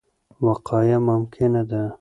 وقایه ممکنه ده.